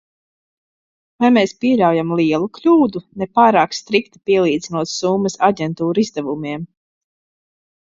Vai mēs pieļaujam lielu kļūdu, ne pārāk strikti pielīdzinot summas aģentūru izdevumiem?